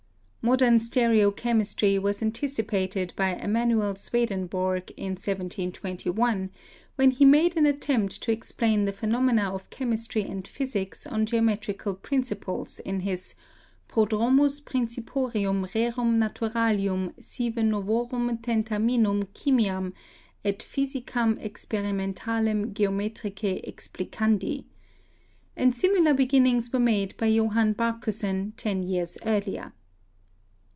Modern stereochemistry was anticipated by Emmanuel Swedenborg in 1721, when he made an attempt to ex plain the phenomena of chemistry and physics on geo VALENCE 247 metrical principles in his Trodromus Principorium rerum Naturalium sive Novorum Tentaminum Chymiam et Physicam Experimentalem Geometrice Explicandi,' and similar beginnings were made by Johann Barchusen ten years earlier.